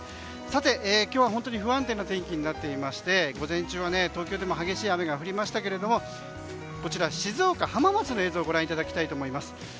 今日は本当に不安定な天気になっていまして午前中は東京でも激しい雨が降りましたが静岡・浜松の映像をご覧いただきたいと思います。